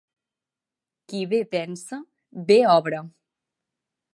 Qui bé pensa, bé obra.